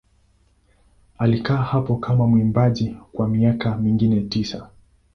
Alikaa hapo kama mwimbaji kwa miaka mingine tisa.